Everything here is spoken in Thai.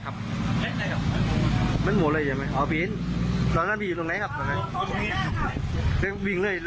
พ่อจะรู้หวานของเราไปกับมันยังไง